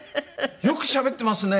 よくしゃべってますね！